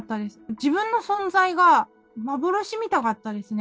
自分の存在が幻みたかったですね。